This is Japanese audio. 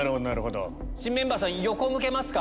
新メンバーさん横向けますか？